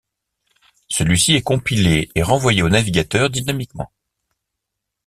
Celui-ci est compilé et renvoyé au navigateur dynamiquement.